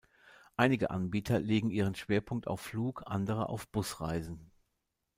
Einige Anbieter legen ihren Schwerpunkt auf Flug-, andere auf Busreisen.